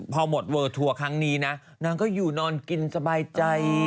พอหมดเวอร์ทัวร์ครั้งนี้นะนางก็อยู่นอนกินสบายใจ